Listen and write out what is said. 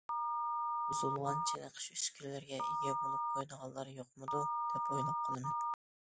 بۇزۇلغان چېنىقىش ئۈسكۈنىلىرىگە ئىگە بولۇپ قويىدىغانلار يوقمىدۇ؟ دەپ ئويلاپ قالىمەن.